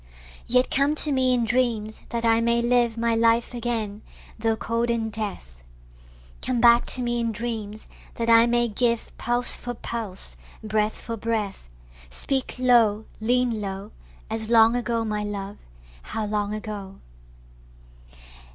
Yet come to me in dreams, that I may live My life again tho' cold in death: Come back to me in dreams, that I may give Pulse for pulse, breath for breath: Speak low, lean low, As long ago, my love, how long ago.